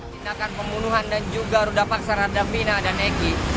tindakan pembunuhan dan juga ruda paksa terhadap fina dan neki